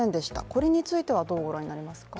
これについてはどうご覧になりますか。